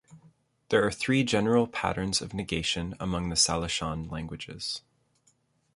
There are three general patterns of negation among the Salishan languages.